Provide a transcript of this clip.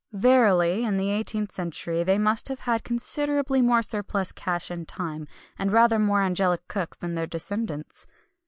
Verily, in the eighteenth century they must have had considerably more surplus cash and time, and rather more angelic cooks than their descendants!